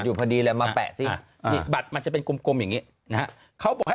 อยู่พอดีเลยมาแปะสินี่บัตรมันจะเป็นกลมอย่างนี้นะฮะเขาบอกให้